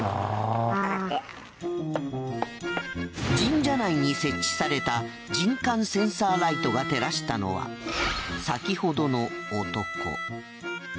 神社内に設置された人感センサーライトが照らしたのは先ほどの男。